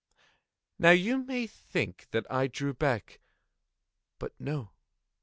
Now you may think that I drew back—but no.